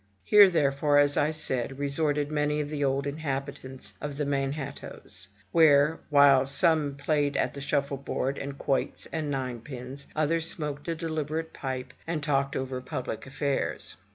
Here, therefore, as I said, resorted many of the old inhabitants of the Manhattoes, where, while some played at shuffleboard and quoits and ninepins, others smoked a deliberate pipe, and talked over public affairs.